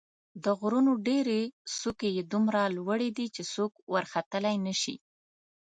د غرونو ډېرې څوکې یې دومره لوړې دي چې څوک ورختلای نه شي.